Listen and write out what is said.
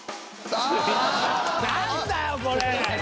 何だよこれ！